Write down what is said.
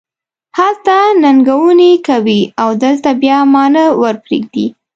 هلته ننګونې کوې او دلته بیا ما نه ور پرېږدې.